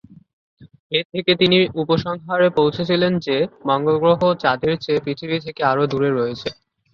এ থেকে তিনি উপসংহারে পৌঁছেছিলেন যে মঙ্গল গ্রহ চাঁদের চেয়ে পৃথিবী থেকে আরও দূরে রয়েছে।